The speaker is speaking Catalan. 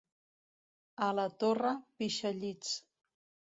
A la Torre, pixallits.